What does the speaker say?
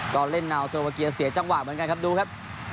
ก็เล่นเงาโซโลวาเกียเสียจังหวะเหมือนกันครับดูครับ